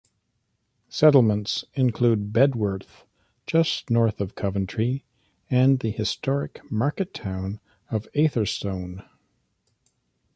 Settlements include Bedworth, just north of Coventry, and the historic market town of Atherstone.